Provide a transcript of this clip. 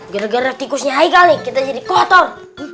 gara gara tikusnya aika kita jadi kotor